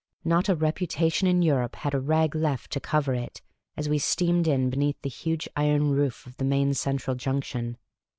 Not a reputation in Europe had a rag left to cover it as we steamed in beneath the huge iron roof of the main central junction.